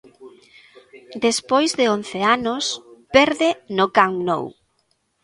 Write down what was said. Despois de once anos, perde no Camp Nou.